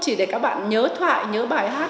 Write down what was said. chỉ để các bạn nhớ thoại nhớ bài hát